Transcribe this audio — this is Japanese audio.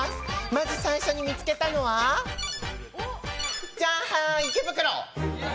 まず最初に見つけたのはじゃーん、池袋！